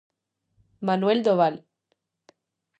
Manuel Doval.